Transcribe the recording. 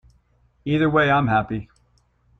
Either way, I’m happy.